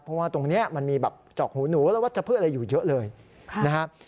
เพราะว่าตรงนี้มันมีแบบจอกหูหนูและวัชพืชอะไรอยู่เยอะเลยนะครับ